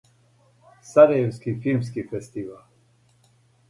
Сарајевски филмски фестивал.